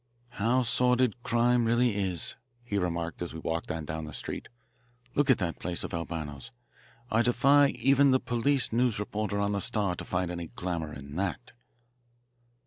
"How sordid crime really is," he remarked as we walked on down the street. "Look at that place of Albano's. I defy even the police news reporter on the Star to find any glamour in that."